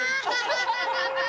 ハハハハ！